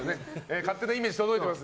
勝手なイメージとどています。